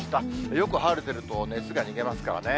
よく晴れてると、熱が逃げますからね。